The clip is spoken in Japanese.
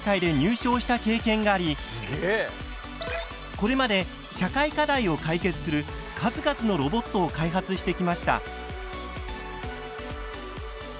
これまで社会課題を解決する数々のロボットを開発してきました。